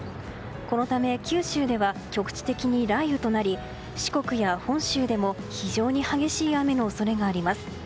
このため、九州では局地的に雷雨になり四国や本州でも非常に激しい雨の恐れがあります。